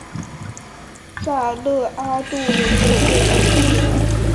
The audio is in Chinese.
萨勒阿杜人口变化图示